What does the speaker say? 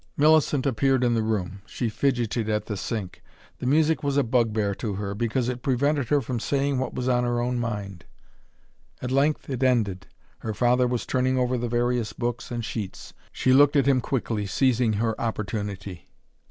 Millicent appeared in the room. She fidgetted at the sink. The music was a bugbear to her, because it prevented her from saying what was on her own mind. At length it ended, her father was turning over the various books and sheets. She looked at him quickly, seizing her opportunity.